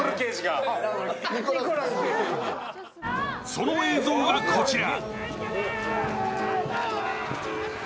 その映像がこちら！